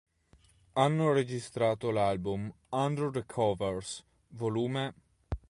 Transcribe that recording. Hanno registrato l'album "Under the Covers, Vol.